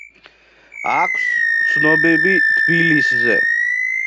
აქვს ცნობები თბილისზე.